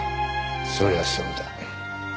そりゃそうだ。